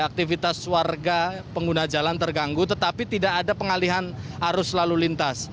aktivitas warga pengguna jalan terganggu tetapi tidak ada pengalihan arus lalu lintas